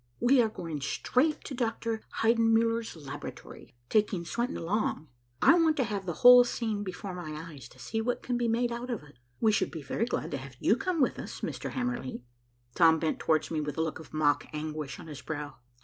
"We are going straight to Dr. Heidenmuller's laboratory, taking Swenton along. I want to have the whole scene before my eyes to see what can be made out of it. We should be very glad to have you come with us, Mr. Hamerly." Tom bent towards me with a look of mock anguish on his brow.